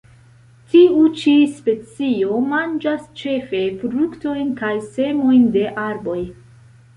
Tiu ĉi specio manĝas ĉefe fruktojn kaj semojn de arboj.